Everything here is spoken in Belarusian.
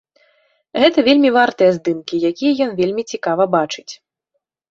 Гэта вельмі вартыя здымкі, якія ён вельмі цікава бачыць.